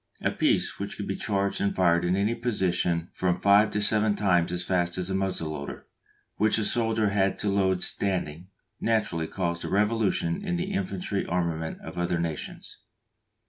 A piece which could be charged and fired in any position from five to seven times as fast as the muzzle loader, which the soldier had to load standing, naturally caused a revolution in the infantry armament of other nations.